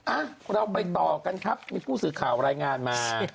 อ่ะเราไปต่อกันครับมีผู้สื่อข่าวรายงานมา